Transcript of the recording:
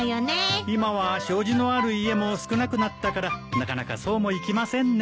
今は障子のある家も少なくなったからなかなかそうもいきませんね。